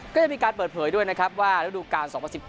ก็ยังมีการเปิดเผยด้วยนะครับว่าฤดูการ๒๐๑๙